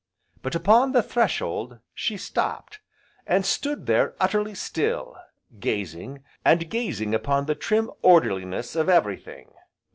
But, upon the threshold, she stopped, and stood there utterly still, gazing, and gazing upon the trim orderliness of everything.